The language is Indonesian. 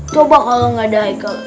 coba kalau nggak ada ike